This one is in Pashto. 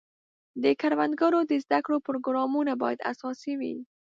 د کروندګرو د زده کړو پروګرامونه باید اساسي وي.